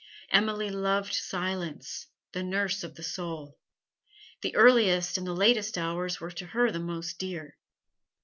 Emily loved silence, the nurse of the soul; the earliest and the latest hours were to her most dear.